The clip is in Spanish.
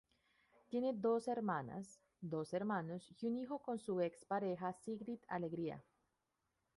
Tiene dos hermanas, dos hermanos y un hijo con su ex pareja Sigrid Alegría.